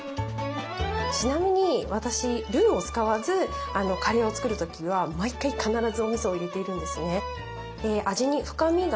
ちなみに私ルーを使わずカレーを作る時は毎回必ずおみそを入れているんですね。